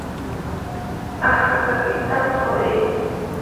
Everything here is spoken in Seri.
Háxaca quih tatxo hi.